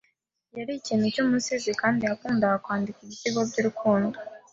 Yari ikintu cyumusizi kandi yakundaga kwandika ibisigo byurukundo.